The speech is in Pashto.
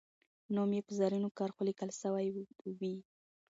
نوم یې به په زرینو کرښو لیکل سوی وي.